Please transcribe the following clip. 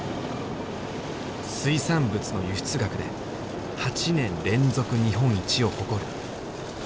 水産物の輸出額で８年連続日本一を誇るホタテだ。